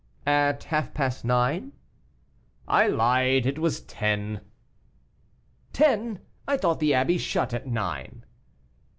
"At half past nine." "I lied; it was ten." "Ten! I thought the abbey shut at nine."